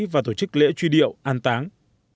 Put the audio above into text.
và tổ chức lễ truy điệu an táng